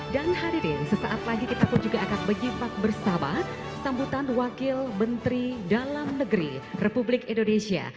dan hadirin sesaat lagi kita pun juga akan berjimpak bersama sambutan wakil menteri dalam negeri republik indonesia